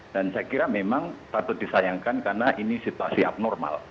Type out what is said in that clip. saya kira memang patut disayangkan karena ini situasi abnormal